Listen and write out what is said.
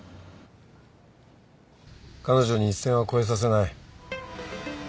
彼女に一線は越えさせない。